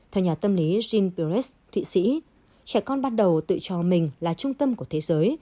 theo nhà tâm lý jean pires thị sĩ trẻ con ban đầu tự cho mình là trung tâm của thế giới